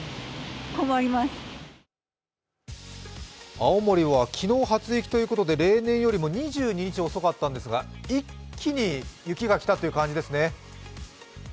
青森は昨日、初雪ということで例年よりも２２日以上遅かったんですが、一気に雪が来たという感じですね。